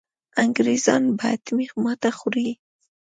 انګرېزان به حتمي ماته خوري.